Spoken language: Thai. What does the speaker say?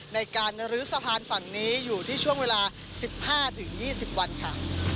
ในการลื้อสะพานฝั่งนี้อยู่ที่ช่วงเวลา๑๕๒๐วันค่ะ